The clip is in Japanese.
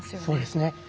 そうですね。